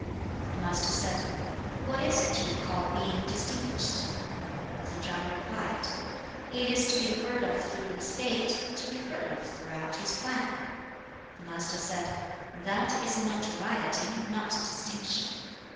2. The Master said, 'What is it you call being distinguished?' 3. Tsze chang replied, 'It is to be heard of through the State, to be heard of throughout his clan.' 4. The Master said, 'That is notoriety, not distinction.